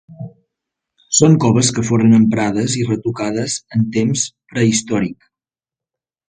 Són coves que foren emprades i retocades en temps prehistòric.